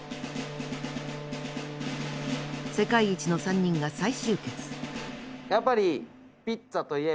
世界一の３人が再集結。